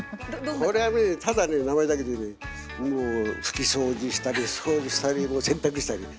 これはねただね名前だけでねもう拭き掃除したり掃除したりもう洗濯したり。